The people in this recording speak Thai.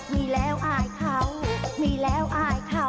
มีแล้วอายเขามีแล้วอายเขา